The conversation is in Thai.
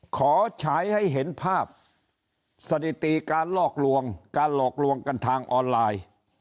ฉายให้เห็นภาพสถิติการลอกลวงการหลอกลวงกันทางออนไลน์